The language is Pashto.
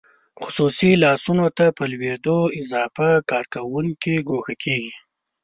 خصوصي لاسونو ته په لوېدو اضافه کارکوونکي ګوښه کیږي.